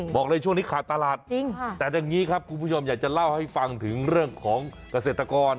บอกเลยช่วงนี้ขาดตลาดจริงแต่อย่างนี้ครับคุณผู้ชมอยากจะเล่าให้ฟังถึงเรื่องของเกษตรกร